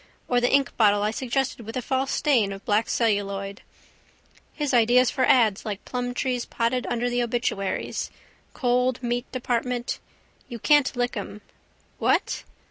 Or the inkbottle I suggested with a false stain of black celluloid. His ideas for ads like Plumtree's potted under the obituaries, cold meat department. You can't lick 'em. What?